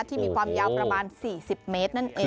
ที่มีความยาวประมาณ๔๐เมตรนั่นเอง